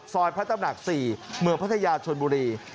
พระตำหนัก๔เมืองพัทยาชนบุรี